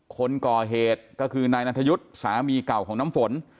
คนก่อเหตุก็คือนายนันทยุทธ์สามีเก่าของน้ำฝน